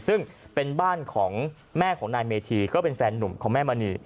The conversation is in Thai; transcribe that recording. ซึ่งเป็นบ้านของแม่ของนายเมธีก็เป็นแฟนหนุ่มของแม่มณี